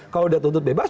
kalau sudah tuntut bebas